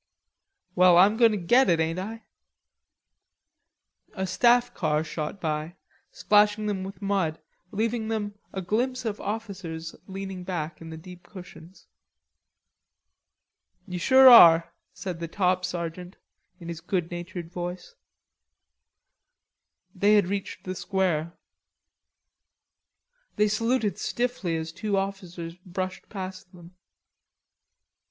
"Well, I'm goin' to get it, ain't I?" A staff car shot by, splashing them with mud, leaving them a glimpse of officers leaning back in the deep cushions. "You sure are," said the top sergeant in his good natured voice. They had reached the square. They saluted stiffly as two officers brushed past them.